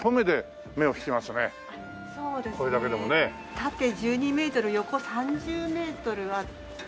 縦１２メートル横３０メートルあって。